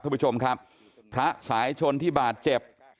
คุณผู้ชมครับพระสายชนที่บาดเจ็บ